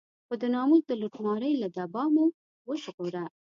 خو د ناموس د لوټمارۍ له دبا مو وژغوره.